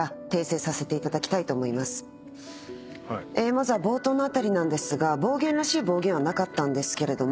まずは冒頭の辺りですが暴言らしい暴言はなかったんですけれども。